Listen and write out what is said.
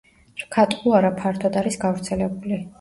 რქატყუარა ფართოდ არის გავრცელებული.